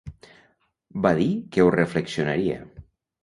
Va dir que ho reflexionaria.